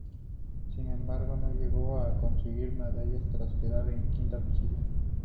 Sin embargo no llegó a conseguir medalla tras quedar en quinta posición.